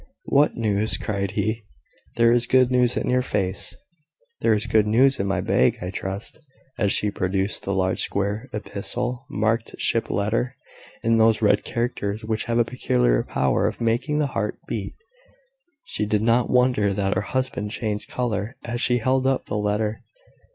"What news?" cried he. "There is good news in your face." "There is good news in my bag, I trust." And she produced the large square epistle, marked "Ship letter" in those red characters which have a peculiar power of making the heart beat. She did not wonder that her husband changed colour as she held up the letter.